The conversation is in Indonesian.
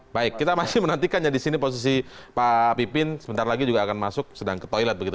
baik kita masih menantikan ya di sini posisi pak pipin sebentar lagi juga akan masuk sedang ke toilet begitu